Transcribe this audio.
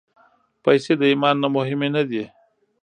پېسې د ایمان نه مهمې نه دي.